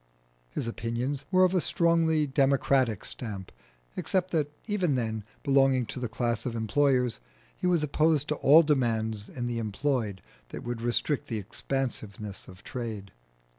His opinions were of a strongly democratic stamp, except that even then, belonging to the class of employers, he was opposed to all demands in the employed that would restrict the expansiveness of trade.